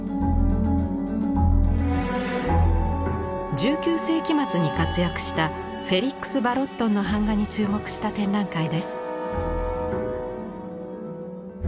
１９世紀末に活躍したフェリックス・ヴァロットンの版画に注目した展覧会です。